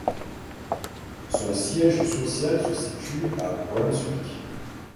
Son siège social se situe à Brunswick.